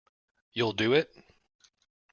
You'll do it?